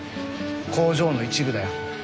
工場の一部だよ。